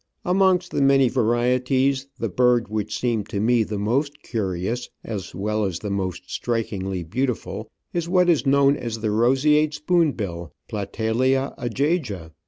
Amongst the many varieties, the bird which seemed to me the most curious as well as the most strik ingly beautiful is what is known as the Roseate Spoonbill ( Platalea ajaja).